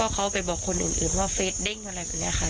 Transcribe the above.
เขาไปบอกคนอื่นว่าเฟสเด้งอะไรแบบนี้ค่ะ